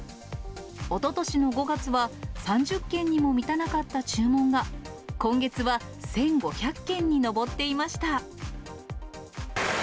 おととしの５月は３０件にも満たなかった注文が、今月は１５００件に上っていました。